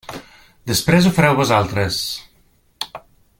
Després ho fareu vosaltres.